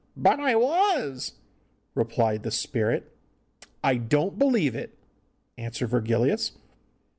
'But I was!' replied the spirit. 'I don't believe it!' answered Virgilius.